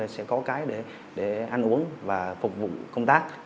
sẽ có cái để ăn uống và phục vụ công tác